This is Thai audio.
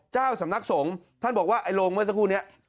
เจ้าสำนักสงฆ์ท่านบอกว่าไอ้โรงเมื่อสักครู่นี้